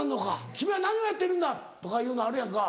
「君は何をやってるんだ！」とかいうのあるやんか。